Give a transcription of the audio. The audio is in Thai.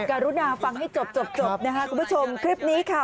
การุณาฟังให้จบจบนะคะคุณผู้ชมคลิปนี้ค่ะ